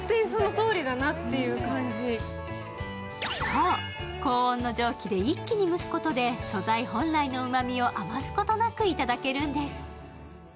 そう、高温の蒸気で一気に蒸すことで素材本来のうまみを余すところなくいただけるんです。